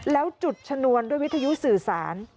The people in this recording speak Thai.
แล้วจุดชนวนด้วยวิทยุสื่อสาร